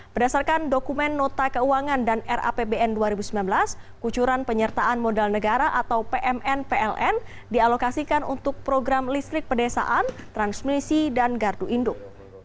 berdasarkan dokumen nota keuangan dan rapbn dua ribu sembilan belas kucuran penyertaan modal negara atau pmn pln dialokasikan untuk program listrik pedesaan transmisi dan gardu induk